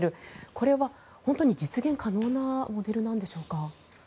これは本当に実現可能なモデルなんでしょうか。